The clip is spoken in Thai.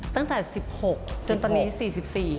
ตั้งแต่สิบหกจนตอนนี้สี่สิบสี่